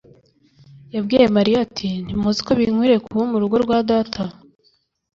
yabwiye Mariya ati : «Ntimuzi ko binkwiriye kuba mu rugo rwa Data?»